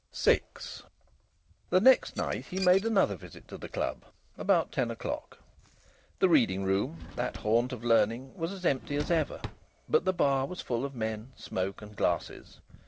VI The next night he made another visit to the club, about ten o'clock. The reading room, that haunt of learning, was as empty as ever; but the bar was full of men, smoke, and glasses.